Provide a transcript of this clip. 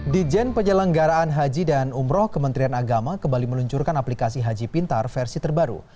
dijen penyelenggaraan haji dan umroh kementerian agama kembali meluncurkan aplikasi haji pintar versi terbaru